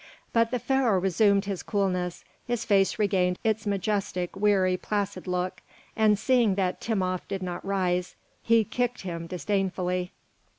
But the Pharaoh resumed his coolness, his face regained its majestic, weary, placid look, and seeing that Timopht did not rise, he kicked him disdainfully.